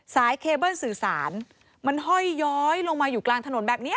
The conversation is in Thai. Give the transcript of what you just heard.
เคเบิ้ลสื่อสารมันห้อยย้อยลงมาอยู่กลางถนนแบบนี้